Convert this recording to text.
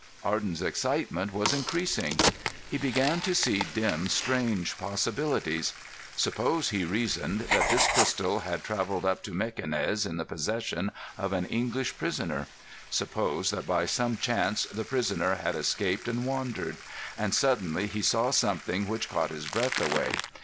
Arden's excitement was increasing. He began to see dim, strange possibilities. Suppose, he reasoned, that this pistol had travelled up to Mequinez in the possession of an English prisoner. Suppose that by some chance the prisoner had escaped and wandered; and suddenly he saw something which caught his breath away.